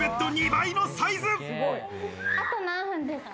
あと何分ですか？